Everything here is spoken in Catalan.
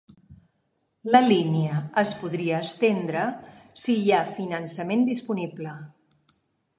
La línia es podria estendre si hi ha finançament disponible.